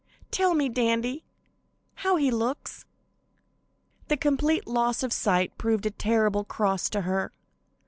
"Tell me, Dandy, how he looks!" The complete loss of sight proved a terrible cross to her.